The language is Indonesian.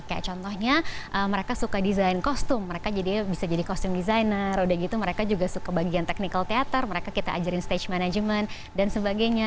kayak contohnya mereka suka desain kostum mereka bisa jadi kostum designer udah gitu mereka juga suka bagian technical teater mereka kita ajarin stage management dan sebagainya